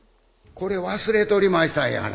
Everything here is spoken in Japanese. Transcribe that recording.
これ、忘れとりましたやんがな。